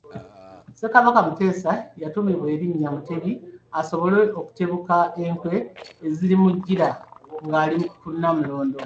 Ssekabaka Muteesa yatuumibwa erinnya Mutebi asobole okutebuka enkwe ezirimujjira ng’ali ku Namulondo.